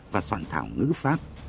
và soạn thảo ngữ pháp